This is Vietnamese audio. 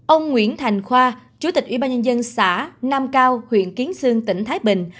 ông nguyễn thành khoa chủ tịch ubnd xã nam cao huyện kiến sương tỉnh thái bình